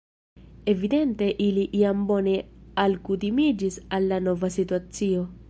Evidente ili jam bone alkutimiĝis al la nova situacio.